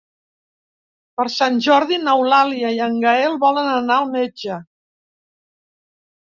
Per Sant Jordi n'Eulàlia i en Gaël volen anar al metge.